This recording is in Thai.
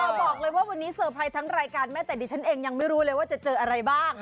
บอกเลยว่าวันนี้เซอร์ไพรส์ทั้งรายการแม่แต่ดิฉันเองยังไม่รู้เลยว่าจะเจออะไรบ้าง